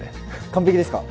完璧ですか？